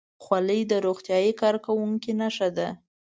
خولۍ د روغتیايي کارکوونکو نښه ده.